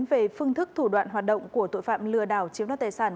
về phương thức thủ đoạn hoạt động của tội phạm lừa đảo chiếm đoạt tài sản